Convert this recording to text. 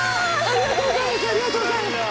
ありがとうございます。